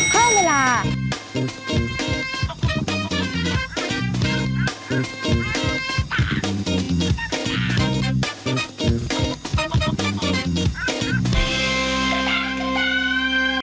ก็ได้ก็ได้